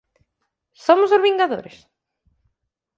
Somos os Vingadores?